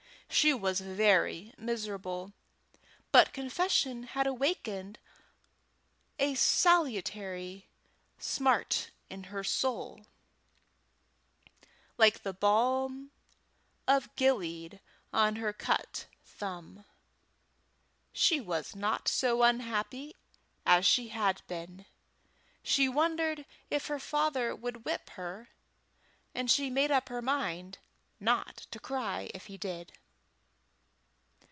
She was very miserable, but confession had awakened a salutary smart in her soul, like the balm of Gilead on her cut thumb. She was not so unhappy as she had been. She wondered if her father would whip her, and she made up her mind not to cry if he did.